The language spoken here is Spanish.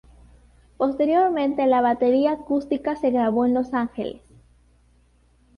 Posteriormente la batería acústica se grabó en Los Ángeles.